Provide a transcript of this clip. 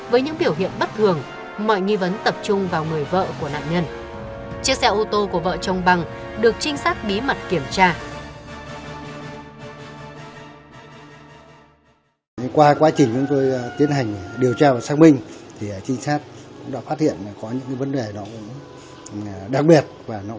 với những biểu hiện bất thường mọi nghi vấn tập trung vào người vợ của nạn nhân